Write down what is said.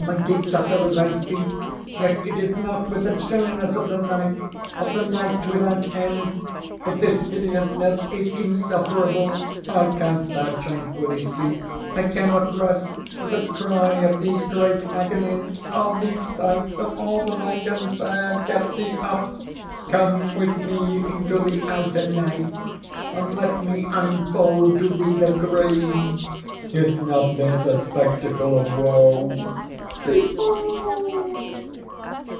My teeth chatter as I speak, yet it is not with the chilliness of the night—of the night without end. But this hideousness is insufferable. How canst thou tranquilly sleep? I cannot rest for the cry of these great agonies. These sights are more than I can bear. Get thee up! Come with me into the outer Night, and let me unfold to thee the graves. Is not this a spectacle of woe?—Behold!"